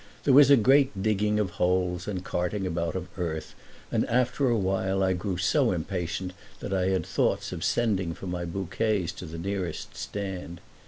There was a great digging of holes and carting about of earth, and after a while I grew so impatient that I had thoughts of sending for my bouquets to the nearest stand.